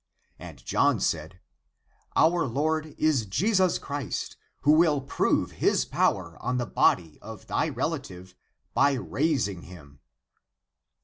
And John said, " Our Lord is Jesus Christ, who will prove His power on the body of thy relative by raising him."